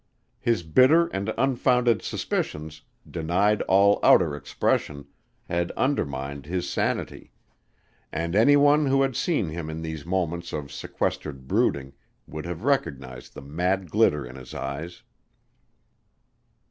His bitter and unfounded suspicions, denied all outer expression, had undermined his sanity and any one who had seen him in these moments of sequestered brooding would have recognized the mad glitter in his eyes.